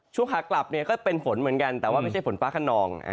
ขากลับเนี่ยก็เป็นฝนเหมือนกันแต่ว่าไม่ใช่ฝนฟ้าขนอง